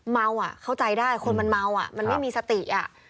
เมาอ่ะเข้าใจได้คนมันเมาอ่ะมันไม่มีสติอ่ะ